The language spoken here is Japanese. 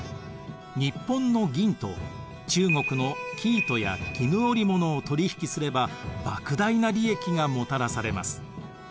日本の銀と中国の生糸や絹織物を取り引きすればばく大な利益がもたらされます。